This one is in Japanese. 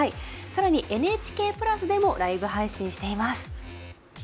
さらに、「ＮＨＫプラス」でもライブ配信しています。